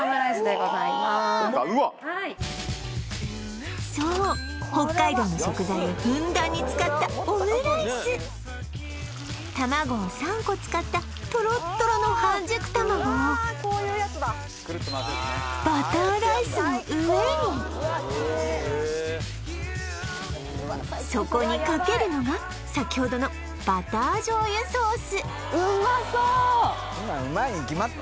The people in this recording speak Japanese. はいそう北海道の食材をふんだんに使ったオムライス卵を３個使ったトロットロの半熟卵をそこにかけるのが先ほどのバター醤油ソース